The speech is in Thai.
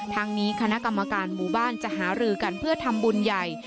ทั้งนี้คณะกรรมการหมู่บ้านจะหารือกันเพื่อทำบุญใหญ่